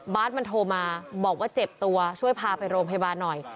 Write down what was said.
มันโทรมาบอกว่าเจ็บตัวช่วยพาไปโรงพยาบาลหน่อย